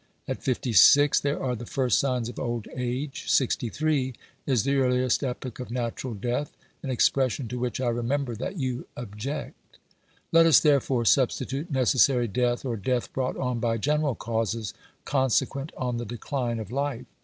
At fifty six there are the first signs of old age. Sixty three is the earliest epoch of natural death — an expression to which I remember that you object ; let us therefore substitute necessary death, or death brought on by general causes, consequent on the decline of life.